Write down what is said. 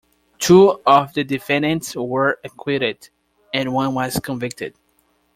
Two of the defendants were acquitted, and one was convicted.